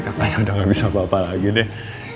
kakaknya udah gak bisa apa apa lagi deh